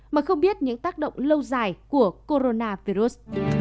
mà không biết những tác động lâu dài của coronavirus